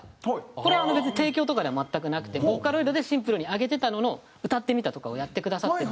これは別に提供とかでは全くなくてボーカロイドでシンプルに上げてたものの「歌ってみた」とかをやってくださってて。